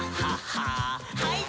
はい。